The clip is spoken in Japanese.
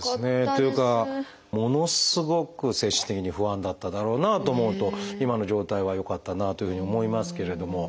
というかものすごく精神的に不安だっただろうなと思うと今の状態はよかったなというふうに思いますけれども。